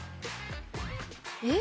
えっ。